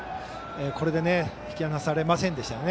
これで、引き離されませんでした。